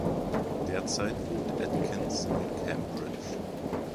Derzeit wohnt Atkins in Cambridge.